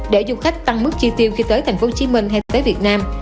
để du khách tăng mức chi tiêu khi tới thành phố hồ chí minh hay tới việt nam